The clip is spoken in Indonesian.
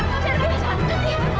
mak saya minta semuanya keluar